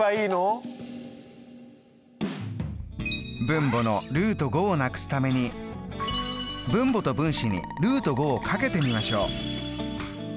分母のをなくすために分母と分子にをかけてみましょう。